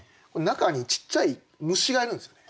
中にちっちゃい虫がいるんですよね。